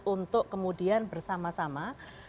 untuk kemudian bersama sama